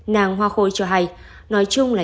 nàng hoa khôi cho hay nói chung là